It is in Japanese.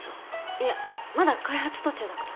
いやまだ開発途中だから。